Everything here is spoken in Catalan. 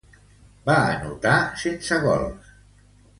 Va anotar sense gols.